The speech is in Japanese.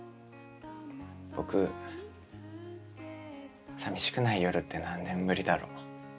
僕寂しくない夜って何年ぶりだろう。